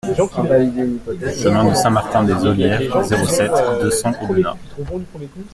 Chemin de Saint-Martin des Ollières, zéro sept, deux cents Aubenas